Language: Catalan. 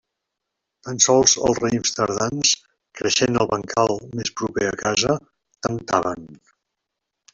Tan sols els raïms tardans, creixent al bancal més proper a casa, temptaven.